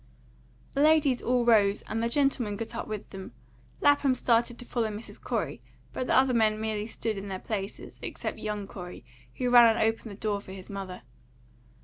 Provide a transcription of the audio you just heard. The ladies all rose, and the gentlemen got up with them. Lapham started to follow Mrs. Corey, but the other men merely stood in their places, except young Corey, who ran and opened the door for his mother.